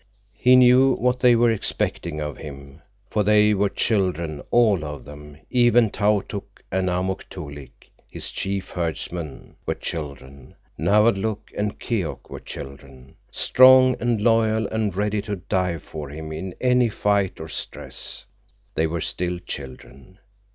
He knew what they were expecting of him, for they were children, all of them. Even Tautuk and Amuk Toolik, his chief herdsmen, were children. Nawadlook and Keok were children. Strong and loyal and ready to die for him in any fight or stress, they were still children.